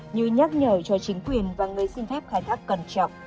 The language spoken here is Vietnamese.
như nhắc nhở cho chính quyền và người xin phép khai thác cẩn trọng